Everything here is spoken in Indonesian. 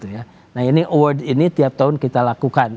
nah ini award ini tiap tahun kita lakukan